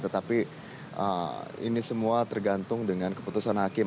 tetapi ini semua tergantung dengan keputusan hakim